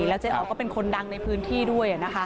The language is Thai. แล้วเจ๊อ๋อก็เป็นคนดังในพื้นที่ด้วย